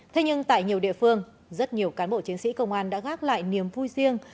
thế nhưng tại nhiều địa phương rất nhiều cán bộ chiến sĩ công an đã gác lại niềm vui riêng